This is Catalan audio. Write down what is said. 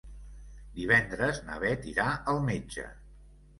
Divendres na Beth irà al metge.